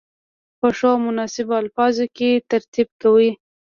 په ښو او مناسبو الفاظو کې ترتیب کړي.